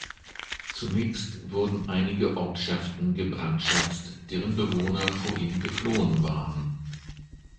Zunächst wurden einige Ortschaften gebrandschatzt, deren Bewohner vor ihm geflohen waren.